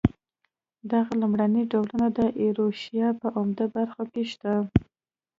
دغه لومړني ډولونه د ایروشیا په عمده برخو کې شته.